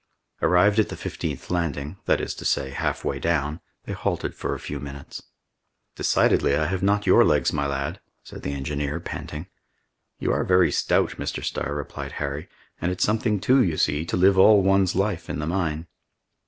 Arrived at the fifteenth landing, that is to say, half way down, they halted for a few minutes. "Decidedly, I have not your legs, my lad," said the engineer, panting. "You are very stout, Mr. Starr," replied Harry, "and it's something too, you see, to live all one's life in the mine."